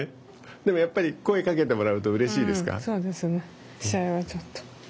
でも、やっぱり声をかけてもらうとそうですね。